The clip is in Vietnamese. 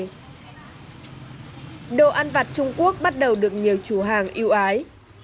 chứ đồ ăn vặt trung quốc bắt đầu được nhiều chú hàng yêu ái